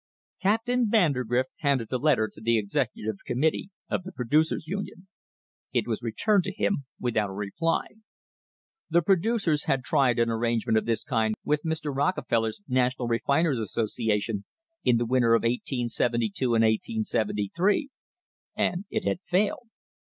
Captain Vandergrift handed the letter to the executive committee of the Producers' Union. It was returned to him without a reply. The producers had tried an arrangement of this kind with Mr. Rockefeller's National Refiners , Associ ition in the winter of 1872 and 1873, an( * ll h ac * failed.